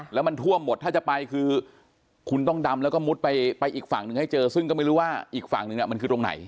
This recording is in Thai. แล้วมันท่วมหมดถ้าจะไปคือคุณต้องดำแล้วก็มุดไปอีกฝั่งหนึ่งให้เจอซึ่งก็ไม่รู้ว่าอีกฝั่งนึงมันคือตรงไหน